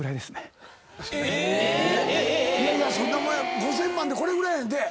⁉５，０００万でこれぐらいやねんて。